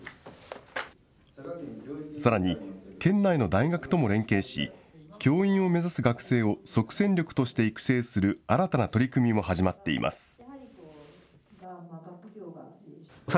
さらに県内の大学とも連携し、教員を目指す学生を即戦力として育成する新たな取り組みも始まっています。